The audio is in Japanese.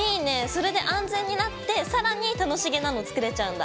それで安全になって更に楽しげなの作れちゃうんだ！